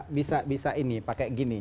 ini saya yang bisa ini pakai gini